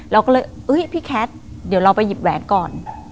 เราก็เลยพี่แคทเดี๋ยวเราไปหยิบแหวนก่อน